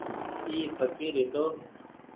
اي ڦڪير هيتو ۔